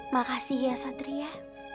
makasih ya satria